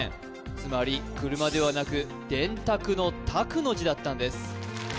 つまり「車」ではなく電卓の卓の字だったんです